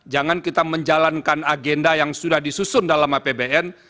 jangan kita menjalankan agenda yang sudah disusun dalam apbn